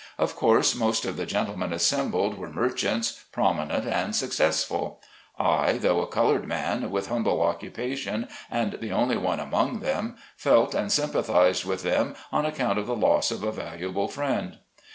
Of course most of the gentlemen assembled were mer chants, prominent and successful. I, though a colored man, with humble occupation and the only one among them, felt and sympathized with them on account of the loss of a valuable friend.